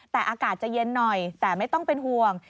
แต่อากาศจะเย็นหน่อยแต่ไม่ต้องเป็นห่วง